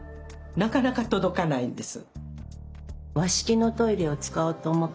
なかなか届かないんです。